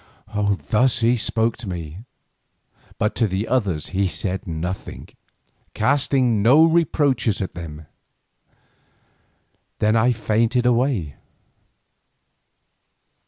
Thus he spoke to me; but to the others he said nothing, casting no reproaches at them. Then I fainted away.